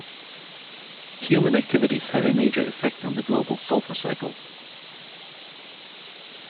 Human activities have a major effect on the global sulfur cycle.